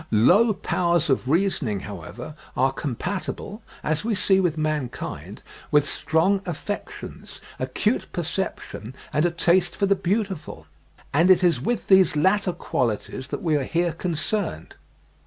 Low powers of reasoning, however, are compatible, as we see with mankind, with strong affections, acute perception, and a taste for the beautiful; and it is with these latter qualities that we are here concerned.